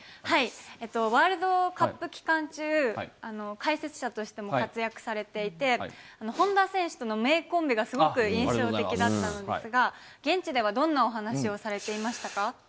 ワールドカップ期間中、解説者としても活躍されていて、本田選手との名コンビがすごく印象的だったんですが、現地では、どんなお話をされていましたか。